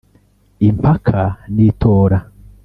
impaka n’itora